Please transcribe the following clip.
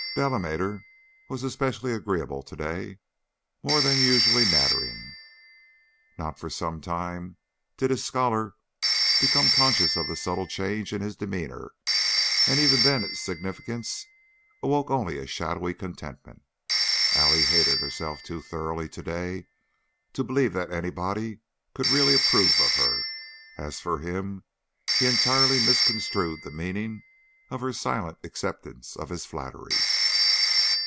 Delamater was especially agreeable to day, more than usually nattering. Not for some time did his scholar become conscious of the subtle change in his demeanor, and even then its significance awoke only a shadowy contentment. Allie hated herself too thoroughly to day to believe that anybody could really approve of her. As for him, he entirely misconstrued the meaning of her silent acceptance of his flattery.